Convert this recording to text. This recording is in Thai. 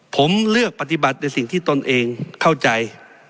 ผมเลือกปฏิบัติในสิ่งที่ตนเองเข้าใจ